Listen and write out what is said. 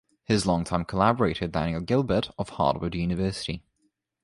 His longtime collaborator is Daniel Gilbert of Harvard University.